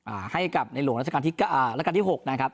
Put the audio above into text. อ่าให้กับในหลวงรัฐกาลที่อ่ารัฐกาลที่หกนะครับ